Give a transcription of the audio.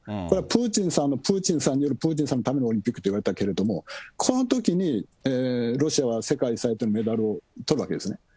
これはプーチンさんのプーチンさんによるプーチンさんのためのオリンピックと言われたけれども、このときに、ロシアは世界最多のメダルをとるわけですね。